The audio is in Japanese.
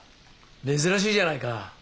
珍しいじゃないか。